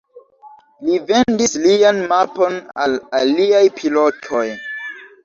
Li vendis lian mapon al aliaj pilotoj.